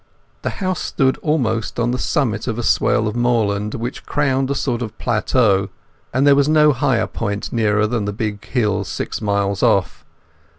The house stood almost on the summit of a swell of moorland which crowned a sort of plateau, and there was no higher point nearer than the big hills six miles off.